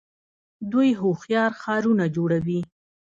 دوی هوښیار ښارونه جوړوي.